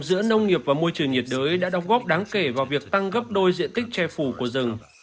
giữa nông nghiệp và môi trường nhiệt đới đã đóng góp đáng kể vào việc tăng gấp đôi diện tích che phủ của rừng